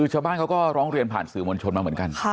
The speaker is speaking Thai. ชาวบ้านเขาก็ร้องเรียนผ่านสื่อมวลชนมาเหมือนกัน